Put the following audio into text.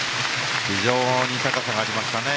非常に高さがありましたね